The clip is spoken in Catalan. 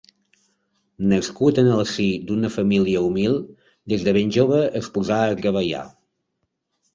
Nascut en el si d'una família humil, des de ben jove es posà a treballar.